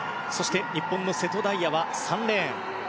日本の瀬戸大也は３レーン。